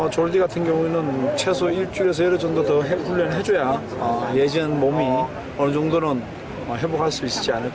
jika jordi berlatih selama setahun dia harus berlatih selama setahun